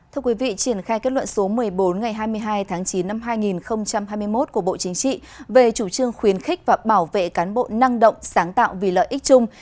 thưa quý vị triển khai kết luận số một mươi bốn ngày hai mươi hai tháng chín năm hai nghìn hai mươi một của bộ chính trị về chủ trương khuyến khích và bảo vệ cán bộ năng động sáng tạo vì lợi ích chung